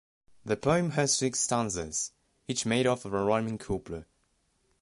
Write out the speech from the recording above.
The poem has six stanzas, each made up of a rhyming couplet.